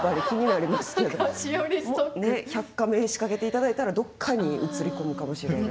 １００カメ仕掛けていただいたらどっかに映り込むかもしれない。